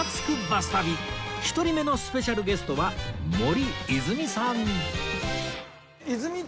バス旅』１人目のスペシャルゲストは森泉さん